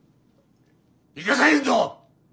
行かせへんぞ！